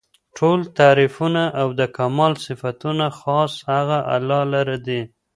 ټول تعريفونه او د کمال صفتونه خاص هغه الله لره دي